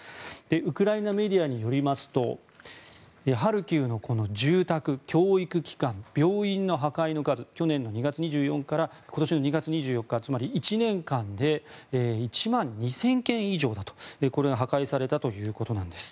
ウクライナメディアによりますとハルキウの住宅、教育機関病院の破壊の数去年の２月２４日から今年の２月２４日つまり１年間で１万２０００軒以上破壊されたということなんです。